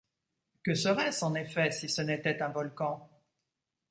Que serait-ce en effet si ce n’était un volcan?